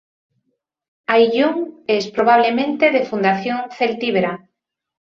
Ayllón es probablemente de fundación celtíbera.